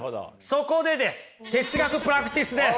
そこでです哲学プラクティスです！